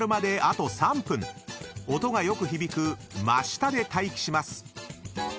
［音がよく響く真下で待機します］